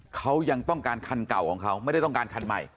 เขายังต้องการคันเก่าของเขาไม่ได้ต้องการคันใหม่